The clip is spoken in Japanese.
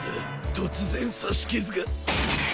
突然刺し傷がぐぐ。